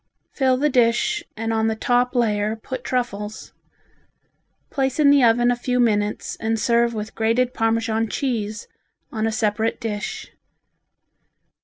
Fill the dish and on the top layer put truffles. Place in the oven a few minutes and serve with grated Parmesan cheese on a separate dish.